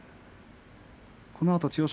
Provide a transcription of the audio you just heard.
そのあと千代翔